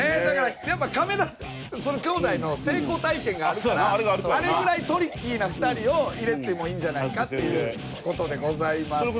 だからやっぱ亀田その兄弟の成功体験があるからあれぐらいトリッキーな２人を入れてもいいんじゃないかっていう事でございます。